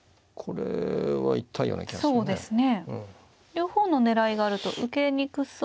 両方の狙いがあると受けにくそうですが。